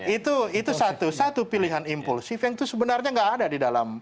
itu satu satu pilihan impulsif yang itu sebenarnya nggak ada di dalam